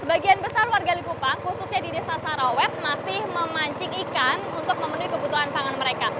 sebagian besar warga likupang khususnya di desa sarawet masih memancing ikan untuk memenuhi kebutuhan pangan mereka